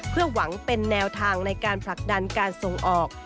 เพื่อหวังเป็นแนวทางในการผลักดันการส่งออก